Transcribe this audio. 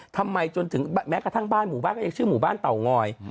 ทำไมจนถึงแม้กระทั่งบ้านหมู่บ้านก็ยังชื่อหมู่บ้านเตางอย